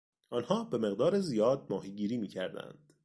آنها به مقدار زیاد ماهیگیری میکردند.